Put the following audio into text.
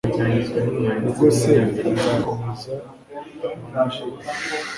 ubwo se nzakomeza manjirwe